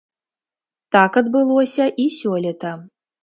Так адбылося і сёлета.